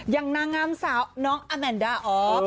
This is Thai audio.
อย่างนางงามสาวน้องอัมแมนดาออฟ